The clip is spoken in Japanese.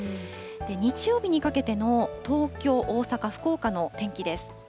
日曜日にかけての東京、大阪、福岡の天気です。